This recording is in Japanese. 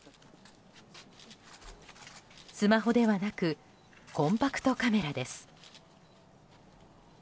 スマホではなくコンパクトカメラです。